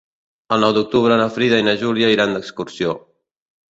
El nou d'octubre na Frida i na Júlia iran d'excursió.